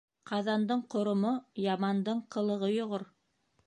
Ҡаҙандың ҡоромо, ямандың ҡылығы йоғор.